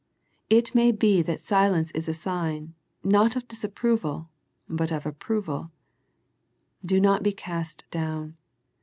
It may be that that silence is a sign, not of disapproval but of approval. Do not be cast down.